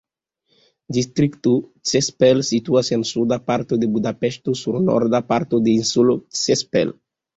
Distrikto Csepel situas en suda parto de Budapeŝto sur norda parto de Insulo Csepel.